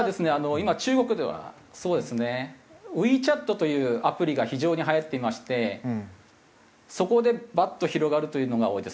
今中国ではそうですね。ＷｅＣｈａｔというアプリが非常にはやっていましてそこでバッと広がるというのが多いですね。